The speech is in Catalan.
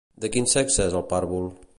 De quin sexe és el pàrvul?